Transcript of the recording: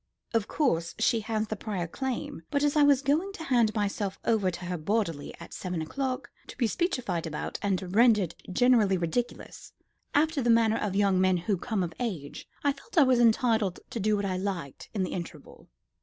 "Of course she has the prior claim. But as I was going to hand myself over to her bodily at seven o'clock, to be speechified about and rendered generally ridiculous, after the manner of young men who come of age, I felt I was entitled to do what I liked in the interval."